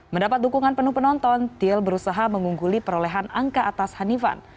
mendapat dukungan penuh penonton tiel berusaha mengungguli perolehan angka atas hanifan